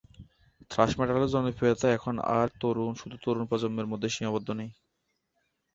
Trash মেটালের জনপ্রিয়তা এখন আর শুধু তরুণ প্রজন্মের মধ্যে সীমাবদ্ধ নেই।